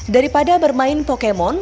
daripada bermain pokemon